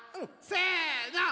せの。